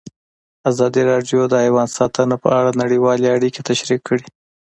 ازادي راډیو د حیوان ساتنه په اړه نړیوالې اړیکې تشریح کړي.